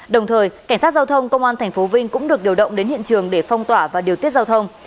đồng thời cảnh sát giao thông công an tp vinh cũng được điều động đến hiện trường để phong tỏa và điều tiết giao thông